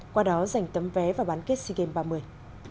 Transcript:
qua đó giành tấm vé và bán kết sea games ba mươi